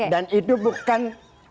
dan itu bukan